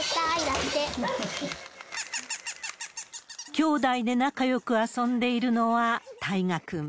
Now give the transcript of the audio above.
きょうだいで仲よく遊んでいるのは、大芽君。